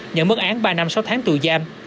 nhận mất án ba năm sáu tháng tù giam